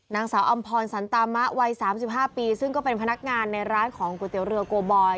นางสาวอำพรสันตามะวัย๓๕ปีซึ่งก็เป็นพนักงานในร้านของก๋วยเตี๋ยวเรือโกบอย